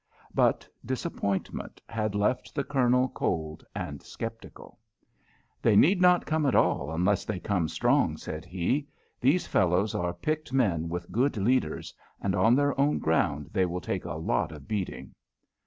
But disappointment had left the Colonel cold and sceptical. "They need not come at all unless they come strong," said he. "These fellows are picked men with good leaders, and on their own ground they will take a lot of beating."